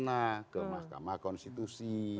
ke mahkamah konstitusi